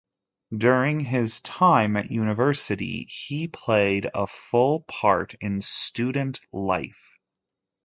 During his time at University he played a full part in student life.